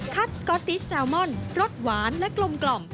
สก๊อตติสแซลมอนรสหวานและกลม